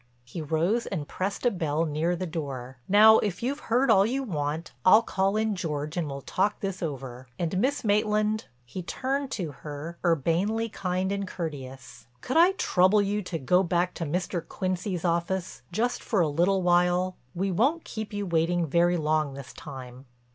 He rose and pressed a bell near the door. "Now if you've heard all you want I'll call in George and we'll talk this over. And Miss Maitland," he turned to her, urbanely kind and courteous, "could I trouble you to go back to Mr. Quincy's office; just for a little while? We won't keep you waiting very long this time."